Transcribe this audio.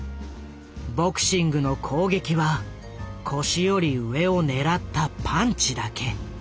ボクシングの攻撃は腰より上を狙ったパンチだけ。